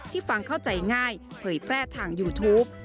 ฟังเข้าใจง่ายเผยแพร่ทางยูทูป